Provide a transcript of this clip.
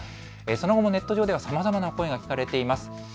その後、ネット上ではさまざまな声があります。